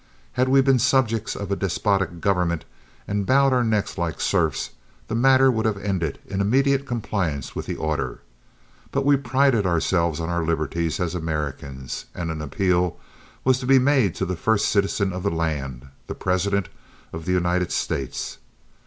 Had we been subjects of a despotic government and bowed our necks like serfs, the matter would have ended in immediate compliance with the order. But we prided ourselves on our liberties as Americans, and an appeal was to be made to the first citizen of the land, the President of the United States.